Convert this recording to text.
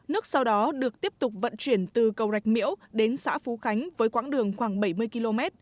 nước sau đó được tiếp tục vận chuyển từ cầu rạch miễu đến xã phú khánh với quãng đường khoảng bảy mươi km